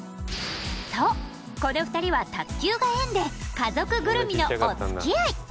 そう、この２人は卓球が縁で家族ぐるみのお付き合い。